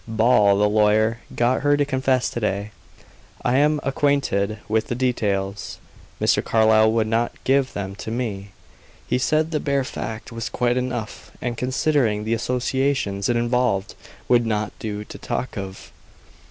Ball, the lawyer got her to confess to day. I am unacquainted with the details; Mr. Carlyle would not give them to me. He said the bare fact was quite enough, and considering the associations it involved, would not do to talk of."